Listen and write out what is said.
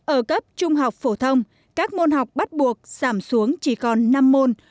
ở cấp trung học phổ thông các môn học bắt buộc giảm xuống chỉ còn năm môn